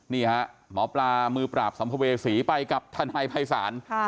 หมอปลามือปราบสัมภเวษีไปกับทนายภัยศาล